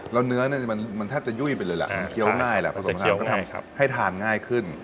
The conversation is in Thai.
แล้วเนื้อมันแทบจะยุ่ยไปเลยแหละมันเคี้ยวง่ายแหละผสมน้ำก็ทำให้ทานง่ายขึ้น